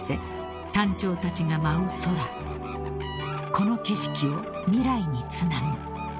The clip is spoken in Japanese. ［この景色を未来につなぐ］